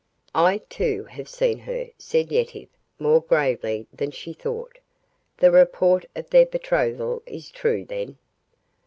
"I, too, have seen her," said Yetive, more gravely than she thought. "The report of their betrothal is true, then?"